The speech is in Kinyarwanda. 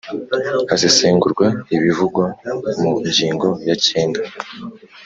Hasesengurwa ibivugwa mu ngingo ya cyenda.